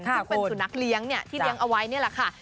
ซึ่งเป็นสุนัขเลี้ยงที่เลี้ยงเอาไว้นี่แหละค่ะ